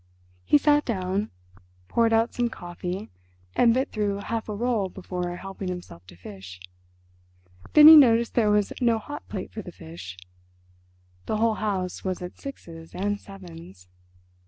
He sat down, poured out some coffee, and bit through half a roll before helping himself to fish. Then he noticed there was no hot plate for the fish—the whole house was at sixes and sevens.